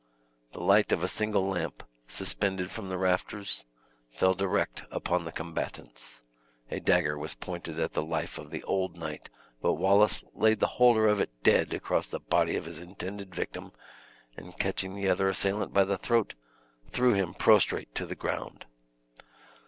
The light of a single lamp, suspended from the rafters, fell direct upon the combatants. A dagger was pointed at the life of the old knight, but Wallace laid the holder of it dead across the body of his intended victim, and catching the other assailant by the throat, threw him prostrate to the ground.